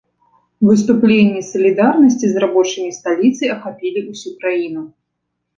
Выступленні салідарнасці з рабочымі сталіцы ахапілі ўсю краіну.